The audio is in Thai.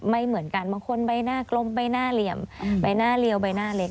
ไม่เหมือนกันบางคนใบหน้ากลมใบหน้าเหลี่ยมใบหน้าเรียวใบหน้าเล็ก